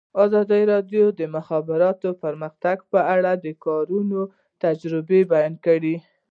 ازادي راډیو د د مخابراتو پرمختګ په اړه د کارګرانو تجربې بیان کړي.